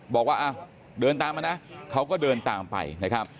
บอกว่าเดินตามมานะเขาก็เดินตามไปนะครับ